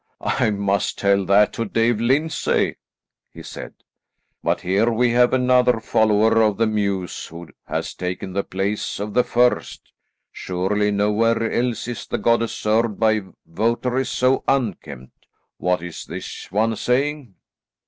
"I must tell that to Davie Lyndsay," he said. "But here we have another follower of the muse who has taken the place of the first. Surely nowhere else is the goddess served by votaries so unkempt. What is this one saying?"